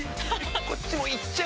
こっちも行っちゃうよ！